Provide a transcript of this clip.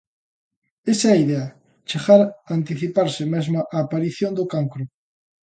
Esa é a idea: chegar a anticiparse mesmo á aparición do cancro.